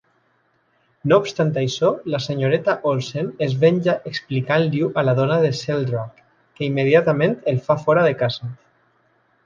No obstant això, la senyoreta Olsen es venja explicant-li-ho a la dona de Sheldrake, que immediatament el fa fora de casa.